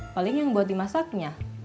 paling yang buat dimasaknya